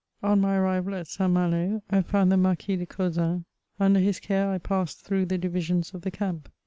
On my arrival at St. Malo, I found the Marquis de Causans. Under his care I passed through the divisions of the camp.